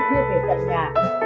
thêm về tận nhà